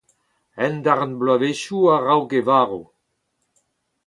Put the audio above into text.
Un darn bloavezhioù a-raok e varv.